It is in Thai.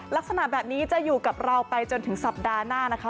ลักษณะแบบนี้จะอยู่กับเราไปจนถึงสัปดาห์หน้านะคะ